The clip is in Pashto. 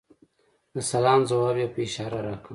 د سلام ځواب یې په اشاره راکړ .